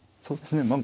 そうですね